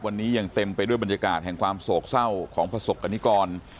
วันนี้ยังเต็มไปด้วยบรรยากาศแห่งความโศกเศร้าของประสบกรณิกร